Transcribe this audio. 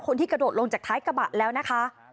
กระโดดลงจากท้ายกระบะแล้วนะคะ